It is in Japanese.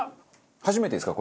初めてですか？